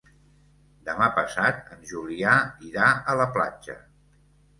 Demà passat en Julià irà a la platja.